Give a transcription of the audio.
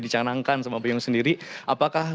dicanangkan sama pak nyos sendiri apakah